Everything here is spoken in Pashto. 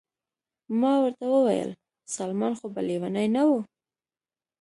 ما ورته وویل: سلمان خو به لیونی نه و؟